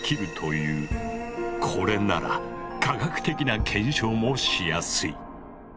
これなら科学的な検証もしやすい。